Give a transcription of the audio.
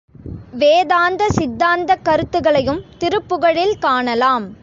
வேதாந்த சித்தாந்தக் கருத்துக்களையும் திருப்புகழில் காணலாம்.